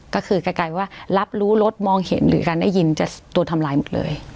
ก็คือไกลว่ารับรู้รถมองเห็นหรือการได้ยินจะโดนทำร้ายหมดเลย